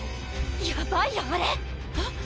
やばいよあれえっ？